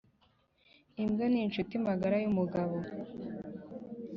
imbwa ninshuti magara yumugabo